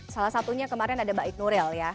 salah satunya kemarin ada mbak ignorel ya